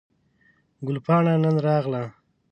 ګل پاڼه نن راغله